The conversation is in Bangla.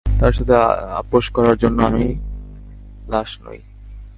তার সাথে আপস করার জন্য আমি লাশ নই।